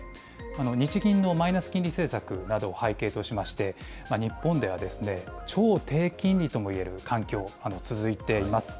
日銀のマイナス金利政策などを背景としまして、日本ではですね、超低金利ともいえる環境、続いています。